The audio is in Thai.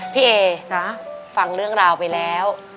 พี่เอฟังเรื่องราวไปแล้ว